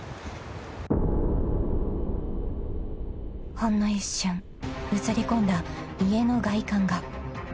［ほんの一瞬映り込んだ家の外観が］